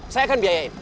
saya akan biayain